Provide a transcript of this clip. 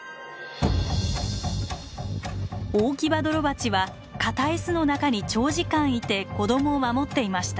オオキバドロバチは硬い巣の中に長時間いて子供を守っていました。